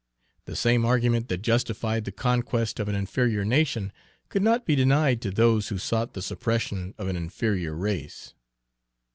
The same argument that justified the conquest of an inferior nation could not be denied to those who sought the suppression of an inferior race.